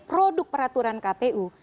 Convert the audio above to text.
produk peraturan kpu